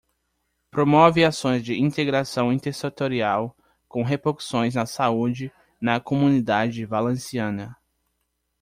Promove ações de integração intersetorial com repercussões na saúde na Comunidade Valenciana.